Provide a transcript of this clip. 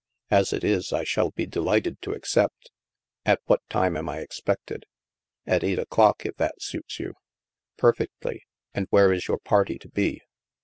As it is, I shall be delighted to accept. At what time am I expected ?"*' At eight o'clock, if that suits you." " Perfectly. And where is your party to be?